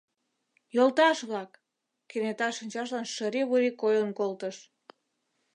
— Йолташ-влак! — кенета шинчажлан шыри-вури койын колтыш.